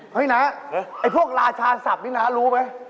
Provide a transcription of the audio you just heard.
เฮ้ยน้าไอ้พวกราชาศัพท์นี่น้ารู้ไหม